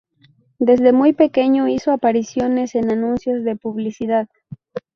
Desde muy pequeño hizo apariciones en anuncios de publicidad.